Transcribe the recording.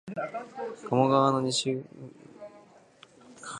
加茂川の西岸にあり、川を隔てて東山一帯はもとより、